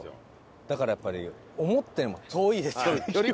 だからやっぱり思ったよりも遠いですよね。